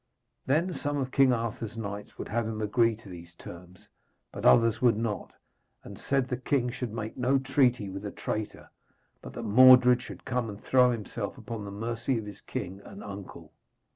Then some of King Arthur's knights would have him agree to these terms, but others would not, and said the king should make no treaty with a traitor, but that Mordred should come and throw himself upon the mercy of his king and uncle.